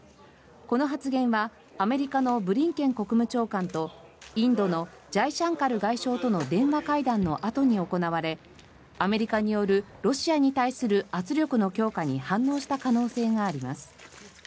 この発言はアメリカのブリンケン国務長官とインドのジャイシャンカル外相との電話会談のあとに行われアメリカによるロシアに対する圧力の強化に反応した可能性があります。